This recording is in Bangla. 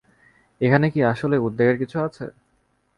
এখানে কি আসলেই উদ্বেগের কিছু আছে?